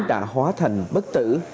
đã hóa thành bất tử